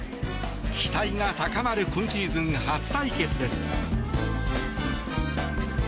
期待が高まる今シーズン初対決です。